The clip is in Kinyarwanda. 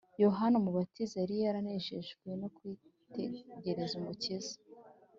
yohana umubatiza yari yaranejejwe no kwitegereza umukiza